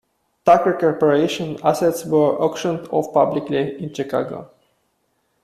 Tucker Corporation assets were auctioned off publicly in Chicago.